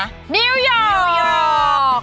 นิวยอร์ก